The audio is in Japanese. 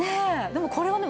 これはね